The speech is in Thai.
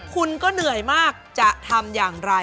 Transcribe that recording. คุณจะทำอย่างไร